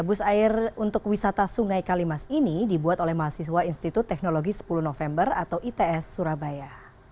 bus air untuk wisata sungai kalimas ini dibuat oleh mahasiswa institut teknologi sepuluh november atau its surabaya